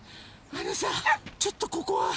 あのさちょっとここは。